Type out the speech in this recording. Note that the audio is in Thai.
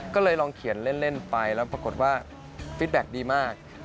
ก็เลยลองเขียนเล่นไปแล้วปรากฏว่าฟิตแบ็คดีมาก